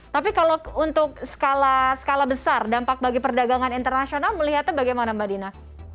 tapi kalau untuk skala skala besar dampak bagi perdagangan internasional melihatnya bagaimana mbak dina